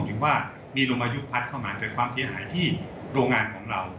หรือว่ามีลมพายุพัดเข้ามาเกิดความเสียหายที่โรงงานของเรา